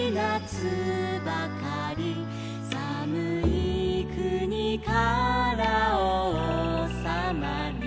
「さむいくにからおうさまに」